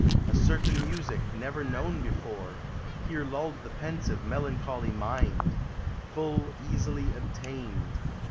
A certain music, never known before, Here lulled the pensive, melancholy mind ; Full easily obtained.